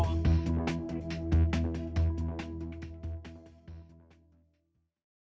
สวัสดีครับ